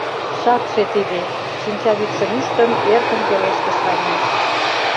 — Шакше тиде, — шинчавӱдшым ӱштын, эркын пелештыш Аня.